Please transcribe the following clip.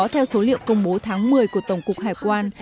theo số liệu công bố tháng một mươi của tổng cục hải quan